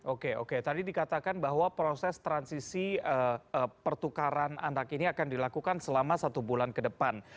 oke oke tadi dikatakan bahwa proses transisi pertukaran anak ini akan dilakukan selama satu bulan ke depan